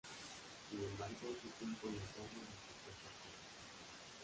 Sin embargo, su tiempo en el cargo resultó ser corto.